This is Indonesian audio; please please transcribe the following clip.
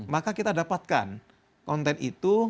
maka kita dapatkan konten itu